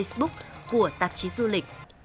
trên facebook của tạp chí du lịch